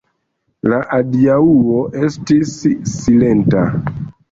La adiaŭo estis silenta.